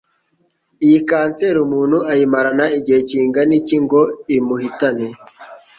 Iyi kanseri umuntu ayimarana igihe kingana iki ngo imuhitane?